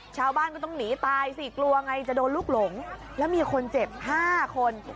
ชาวบ้านก็ต้องหนีตายสิกลัวไงจะโดนลูกหลงแล้วมีคนเจ็บ๕คน